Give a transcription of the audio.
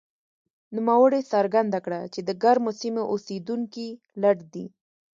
نوموړي څرګنده کړه چې د ګرمو سیمو اوسېدونکي لټ دي.